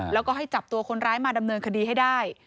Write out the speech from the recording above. แล้วก็ให้จับตัวคนร้ายมาดำเนินคดีให้ได้